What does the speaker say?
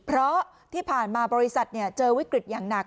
เพราะที่ผ่านมาบริษัทเจอวิกฤตอย่างหนัก